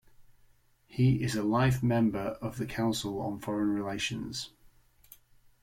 He is a life member of the Council on Foreign Relations.